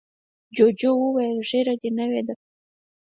جوجو وویل ږیره دې نوې ده.